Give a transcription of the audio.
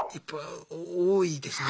多いですか。